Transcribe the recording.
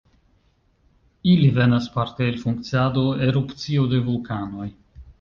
Ili venas parte el funkciado, erupcio de vulkanoj.